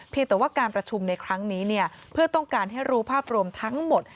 แต่ว่าการประชุมในครั้งนี้เนี่ยเพื่อต้องการให้รู้ภาพรวมทั้งหมด